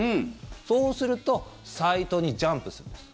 そうするとサイトにジャンプするんです。